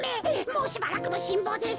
もうしばらくのしんぼうです。